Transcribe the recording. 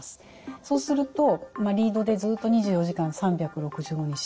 そうするとリードでずっと２４時間３６５日